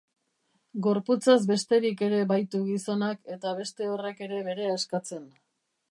Gorputzaz besterik ere baitu gizonak eta beste horrek ere berea eskatzen.